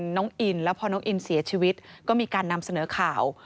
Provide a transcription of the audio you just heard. น้องอินแล้วพอน้องอินเสียชีวิตก็มีการนำเสนอข่าว